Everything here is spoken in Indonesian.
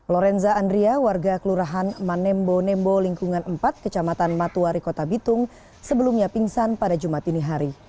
lorenza andria warga kelurahan manembo nembo lingkungan empat kecamatan matuari kota bitung sebelumnya pingsan pada jumat ini hari